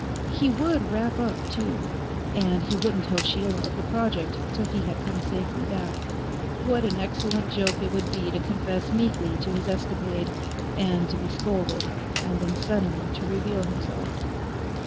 He would wrap up too. And he wouldn't tell Sheila of the project till he had come safely back. What an excellent joke it would be to confess meekly to his escapade, and to be scolded, and then suddenly to reveal himself.